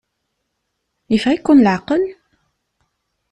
Yeffeɣ-iken leɛqel?